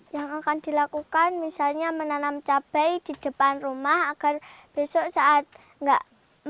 yang akan dilakukan misalnya menanam cabai di depan rumah agar besok saat musim kemarau itu ada simpanan makanan